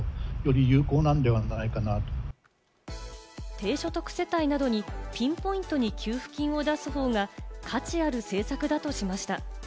低所得世帯などにピンポイントに給付金を出す方が価値ある政策だとしました。